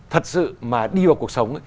thật sự mà đi vào cuộc sống